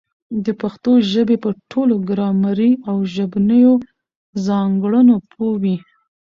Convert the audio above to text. د پښتو ژبي په ټولو ګرامري او ژبنیو ځانګړنو پوه وي.